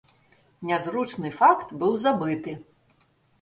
Нязручны факт быў забыты.